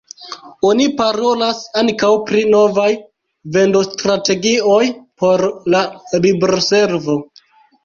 Oni parolas ankaŭ pri novaj vendostrategioj por la libroservo.